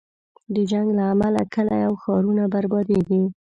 د جنګ له امله کلی او ښارونه بربادېږي.